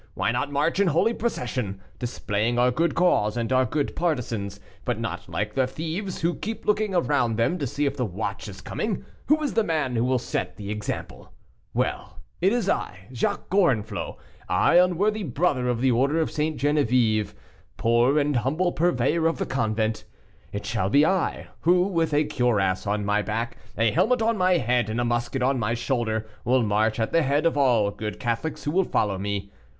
Why not march in holy procession, displaying our good cause, and our good partisans, but not like the thieves, who keep looking round them to see if the watch is coming. Who is the man who will set the example? Well, it is I, Jacques Gorenflot; I, unworthy brother of the order of St. Geneviève, poor and humble purveyor of the convent. It shall be I, who with a cuirass on my back, a helmet on my head, and a musket on my shoulder, will march at the head of all good Catholics who will follow me.